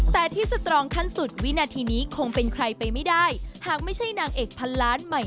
แต่ที่สตรองขั้นสุดวินาทีนี้คงเป็นใครไปไม่ได้หากไม่ใช่นางเอกพันล้านใหม่